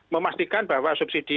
memastikan bahwa subsidi